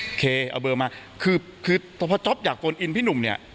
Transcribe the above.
โอเคเอาเบอร์มาคือพอจ๊อปอยากโฟนอินพี่หนุ่มเนี่ย